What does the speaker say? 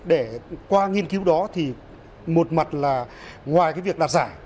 để qua nghiên cứu đó thì một mặt là ngoài cái việc đạt giải